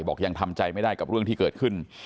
ยังทำใจไม่ได้กับเรื่องที่เกิดขึ้น